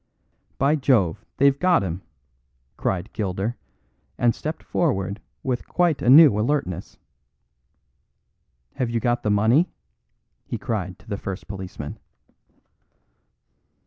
"By Jove! they've got him," cried Gilder, and stepped forward with quite a new alertness. "Have you got the money!" he cried to the first policeman.